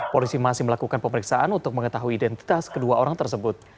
polisi masih melakukan pemeriksaan untuk mengetahui identitas kedua orang tersebut